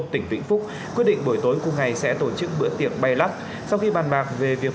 tỉnh vĩnh phúc quyết định buổi tối cùng ngày sẽ tổ chức bữa tiệc bay lắc sau khi bàn bạc về việc